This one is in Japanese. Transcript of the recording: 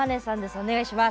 お願いします。